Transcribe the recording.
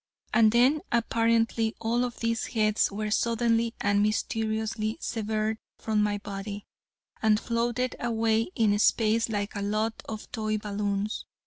And then apparently all of these heads were suddenly and mysteriously severed from my body, and floated away in space like a lot of toy balloons.